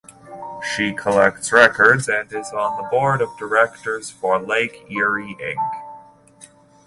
She collects records and is on the board of directors for Lake Erie Ink.